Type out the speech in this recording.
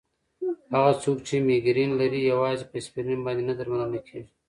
هغه څوک چې مېګرین لري، یوازې په اسپرین باندې نه درملنه کېږي.